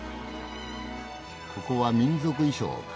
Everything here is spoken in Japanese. ここは民族衣装かな。